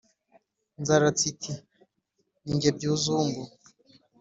nzaratsi iti: ni jye byuzumbu